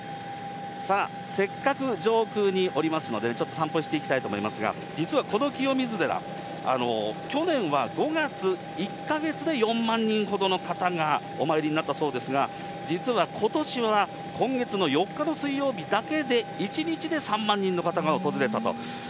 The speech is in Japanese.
さあ、せっかく上空におりますので、ちょっと散歩していきたいと思いますが、実はこの清水寺、去年は５月、１か月で４万人ほどの方がお参りになったそうですが、実はことしは今月の４日の水曜日だけで、１日で３万人の方が訪れたと。